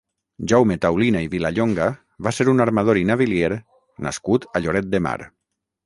Jaume Taulina i Vilallonga va ser un armador i navilier nascut a Lloret de Mar.